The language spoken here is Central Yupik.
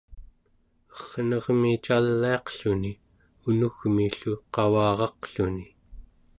ernermi caliaqluni unugmi-llu qavaraqluni